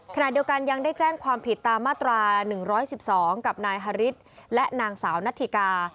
ขณะเดียวกันยังได้แจ้งความผิดตามมาตรา๑๑๒กับนายฮาริสและนางสาวนัทธิกา